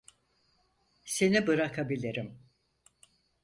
Seni bırakabilirim.